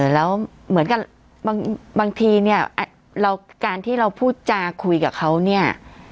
แล้วเหมือนกับบางทีเนี่ยการที่เราพูดจาคุยกับเขาเนี่ย